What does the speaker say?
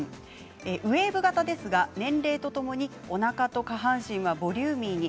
ウエーブ型ですが年齢とともにおなかと下半身がボリューミーに。